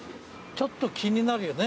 ちょっと気になるよね。